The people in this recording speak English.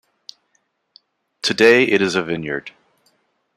Today it is a vineyard.